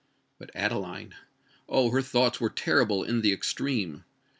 But, Adeline—oh, her thoughts were terrible in the extreme!